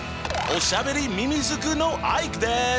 おしゃべりミミズクのアイクです！